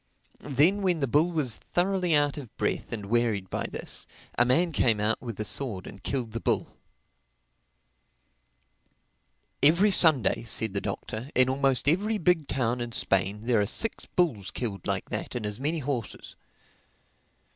Then, when the bull was thoroughly out of breath and wearied by this, a man came out with a sword and killed the bull. "Every Sunday," said the Doctor, "in almost every big town in Spain there are six bulls killed like that and as many horses."